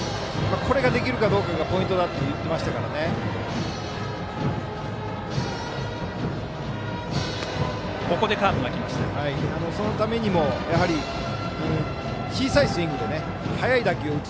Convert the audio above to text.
これができるかどうかがポイントだと言ってましたからそのためにもやはり小さいスイングで速い打球を打つ。